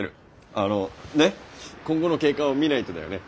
あの今後の経過を見ないとだよね。